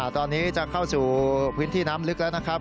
ตอนนี้จะเข้าสู่พื้นที่น้ำลึกแล้วนะครับ